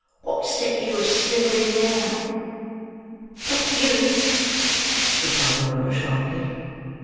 "What's set you a snivelling now?" "Not you," replied Oliver, sharply.